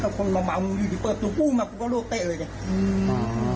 กับคนเมาเมางูอยู่ที่เปิดตัวปู้มาปุ๊บก็โรคเตะเลยเงี้ยอืมอ๋อ